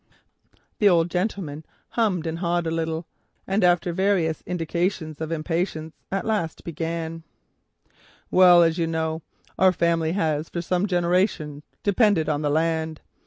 The old gentleman hummed and hawed a little, and after various indications of impatience at last began: "Well, as you know, our family has for some generations depended upon the land.